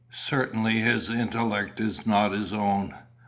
"Certainly his intellect is not his own.